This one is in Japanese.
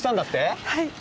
はい。